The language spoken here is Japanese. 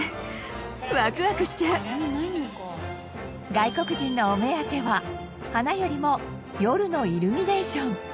外国人のお目当ては花よりも夜のイルミネーション。